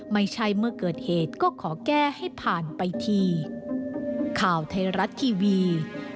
ไม่ใช่เมื่อเกิดเหตุก็ขอแก้ให้ผ่านไปที